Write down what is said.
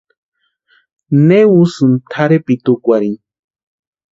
¿Ne úsïni tʼarhepiti úkwarhini?